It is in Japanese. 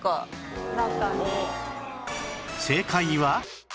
正解は